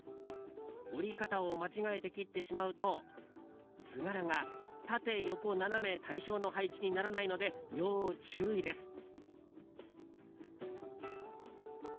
折り方を間違えて切ってしまうと図柄が縦横斜め対称の配置にならないので要注意です。